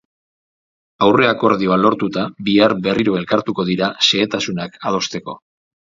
Aurre-akordioa lortuta, bihar berriro elkartuko dira, xehetasunak adosteko.